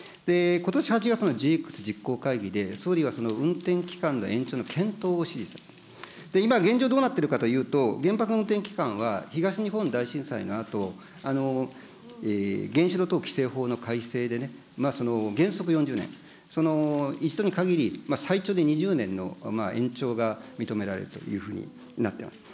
ことし８月のＧＸ実行会議で、総理は運転期間の延長に検討を指示すると、今、現状どうなっているかというと、原発の運転期間は東日本大震災のあと、原子炉等規制法の改正でね、原則４０年、その一度に限り最長で２０年の延長が認められるというふうになってます。